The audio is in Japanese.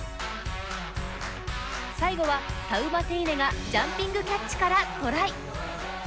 最後はタウマテイネがジャンピングキャッチからトライ。